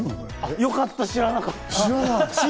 よかった、知らなかった。